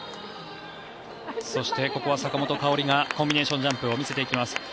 そしてここは坂本花織がコンビネーションジャンプを見せていきます。